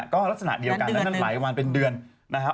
ก็ลักษณะเดียวกันนั้นหลายวันเป็นเดือนนะครับ